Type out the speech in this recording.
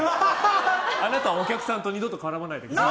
あなたお客さんと二度とかかわらないですください。